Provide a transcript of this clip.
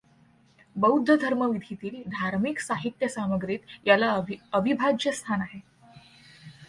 बौद्ध धर्मविधींतील धार्मिक साहित्यसामग्रीत याला अविभाज्य स्थान आहे.